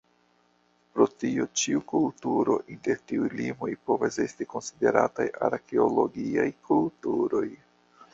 Pro tio ĉiu kulturo inter tiuj limoj povas esti konsiderataj Arkeologiaj kulturoj.